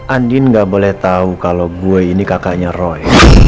andin gak boleh tahu kalau gue ini kakaknya roy